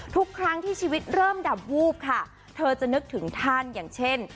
ทุกครั้งที่ชีวิตเริ่มดับวูบค่ะเธอจะนึกถึงท่านอย่างเช่น